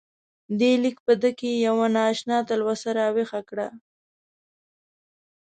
دې لیک په ده کې یوه نا اشنا تلوسه راویښه کړه.